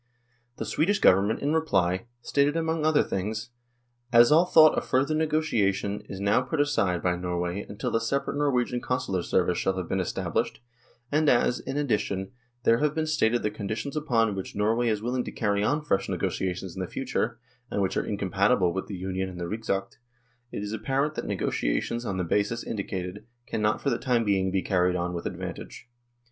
, The Swedish Government, in reply, stated among other things :" As all thought of further negotiation is now put aside by Norway until a separate Norwegian Consular service shall have been established, and as, in addition, there have been stated the conditions upon which Norway is willing to carry on fresh negotiations in the future, and which are incompatible with the Union and the ' Rigsakt,' " it is apparent that negoti ations on the basis indicated "cannot for the time being be carried on with advantage."